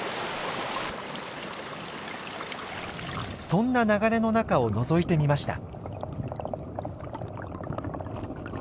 そんな流れの中をのぞいてみました。